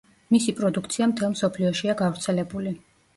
მისი პროდუქცია მთელ მსოფლიოშია გავრცელებული.